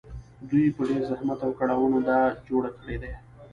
دوی په ډېر زحمت او کړاوونو دا جوړ کړي دي